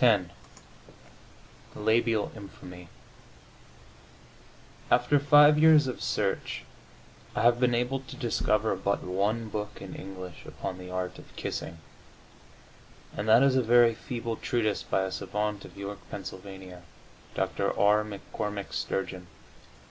X THE LABIAL INFAMY After five years of search I have been able to discover but one book in English upon the art of kissing, and that is a very feeble treatise by a savant of York, Pa., Dr. R. McCormick Sturgeon.